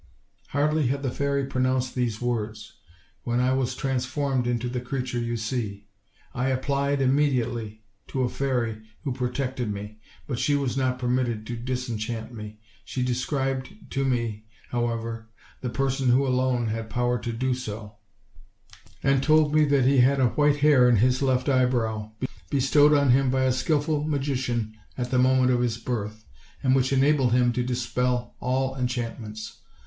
Hardly had the fairy pronounced these words, when I was transformed into the creature you see. I applied immediately to a fairy who protected me, but she was not permitted to disenchant me; she described to me, how ever, the person who alone had power to do so, and told me that he had a white hair in his left eyebrow, bestowed on him by a skillful magician at the moment of his birth, and which enabled him to dispel all enchantments.